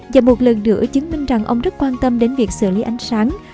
và một lần nữa chứng minh rằng ông rất quan tâm đến việc xử lý ánh sáng